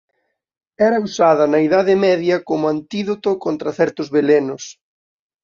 Era usada na Idade Media coma un antídoto contra certos velenos.